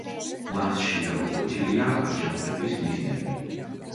მასში გამოკვეთილია აჯანყების მიზნები.